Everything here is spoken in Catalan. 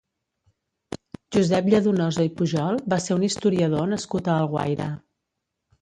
Josep Lladonosa i Pujol va ser un historiador nascut a Alguaire.